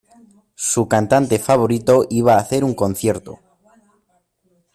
Su cantante favorito iba a hacer un concierto.